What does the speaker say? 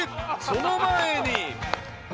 ［その前に］